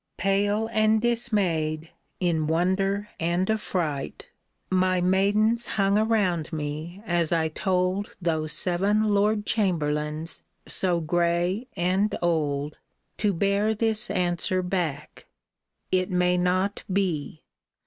Pale and dismayed, in wonder and affrightj VASHTI'S SCROLL My maidens hung around me as I told Those seven lord chamberlains, so gray and old, To bear this answer back :" It may not be.